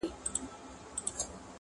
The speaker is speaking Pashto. نه تر منځ به د وګړو دښمني وای -